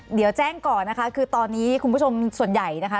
เดี๋ยวแจ้งก่อนนะคะคือตอนนี้คุณผู้ชมส่วนใหญ่นะคะ